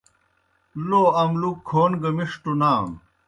لو املُک کھون گہ مِݜٹوْ نانوْ۔